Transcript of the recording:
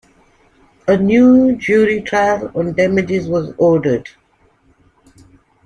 A new jury trial on damages was ordered.